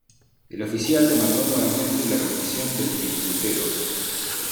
El oficial demandó nuevamente la rendición del filibustero.